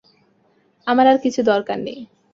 আমার আর কিছু দরকার নাই।